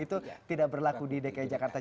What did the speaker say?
itu tidak berlaku di dki jakarta